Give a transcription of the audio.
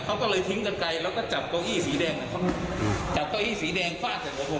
เขาก็เลยทิ้งกันไกลแล้วก็จับเก้าอี้สีแดงจับเก้าอี้สีแดงฟาดใส่หัวผม